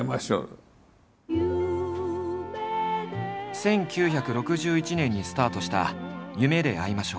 １９６１年にスタートした「夢であいましょう」。